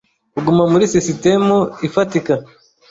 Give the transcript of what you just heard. kuguma muri sisitemu ifatika,